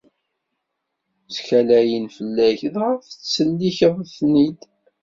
Ttkalayen fell-ak, dɣa tettsellikeḍ-ten-id.